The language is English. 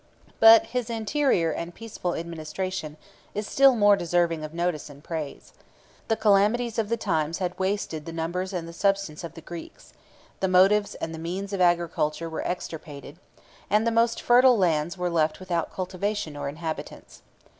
But his interior and peaceful administration is still more deserving of notice and praise. 3 The calamities of the times had wasted the numbers and the substance of the Greeks; the motives and the means of agriculture were extirpated; and the most fertile lands were left without cultivation or inhabitants.